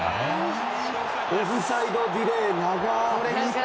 オフサイドディレイ長っ！